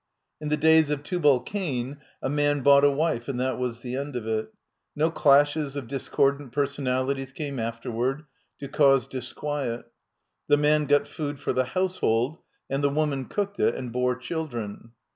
In the days of Tubal Cain a man bought a wife, and that was the end of it. No clashes of discordant personalities came afterward, to cause disquiet. The man got food for the household and the woman cooked it and bore children.